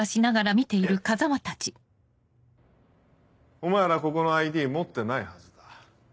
お前らここのＩＤ持ってないはずだ。